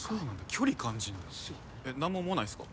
距離感じんだよ何も思わないですか？